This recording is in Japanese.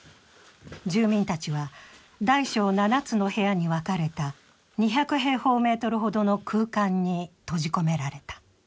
住民たちは大小７つの部屋に分かれた２００平方メートルほどの空間に閉じ込められた。